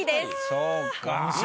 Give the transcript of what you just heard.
そうか。